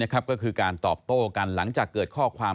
ก็คือการตอบโต้กันหลังจากเกิดข้อความ